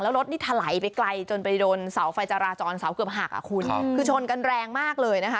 แล้วรถนี่ถลายไปไกลจนไปโดนเสาไฟจราจรเสาเกือบหักอ่ะคุณคือชนกันแรงมากเลยนะคะ